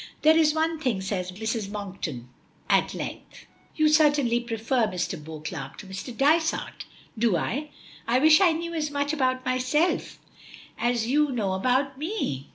"There is one thing," says Mrs. Monkton, at length, "You certainly prefer Mr. Beauclerk to Mr. Dysart." "Do I? I wish I knew as much about myself as you know about me.